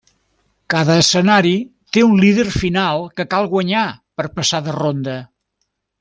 Cada escenari té un líder final que cal guanyar per passar de ronda.